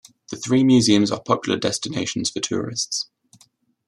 The three museums are popular destinations for tourists.